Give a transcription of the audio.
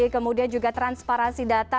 kemudian juga transparasi data